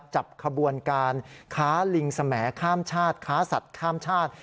จับขบวนการค้าลิงสมข้ามชาติค้าสัตว์ข้ามชาติ